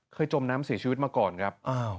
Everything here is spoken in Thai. เคยจมน้ำศรีชีวิตมาก่อนครับ